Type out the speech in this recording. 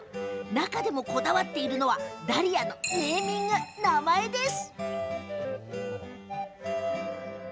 中でもこだわっているのはダリアのネーミング、名前です。